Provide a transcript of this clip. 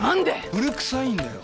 古くさいんだよ